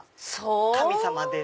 神様です。